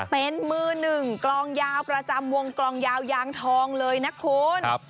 เป็นมือหนึ่งกลองยาวประจำวงกลองยาวยางทองเลยนะคุณ